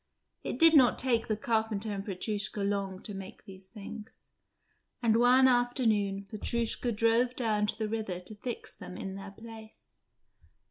It did not take the carpenter and Petrushka long to make these things, and one afternoon Petrushka drove down to the river to fix them in their place.